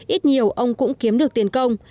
ít nhiều ông cũng kiếm được tiền công